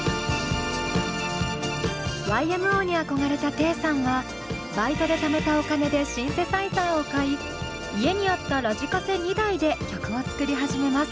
ＹＭＯに憧れたテイさんはバイトでためたお金でシンセサイザーを買い家にあったラジカセ２台で曲を作り始めます。